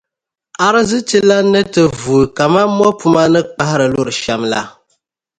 arzichilana ni ti vuui kaman mɔpuma ni kpahiri luri shɛm la.